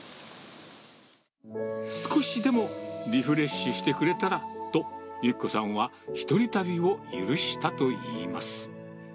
少しでもリフレッシュしてくれたらと、由希子さんは一人旅を許したといいます。